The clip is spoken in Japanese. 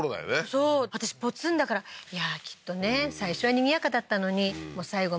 そう私ポツンだからいやきっとね最初はにぎやかだったのに最後